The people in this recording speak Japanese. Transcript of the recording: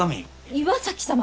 岩崎様！？